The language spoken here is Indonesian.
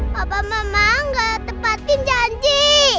papa mama gak tepatin janji